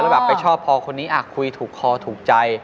แบบไปชอบพอคนนี้คุยถูกคอถูกใจ